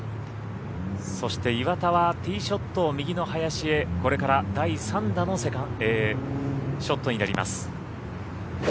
そして、岩田はティーショットを右の林へこれから第３打のショットになります。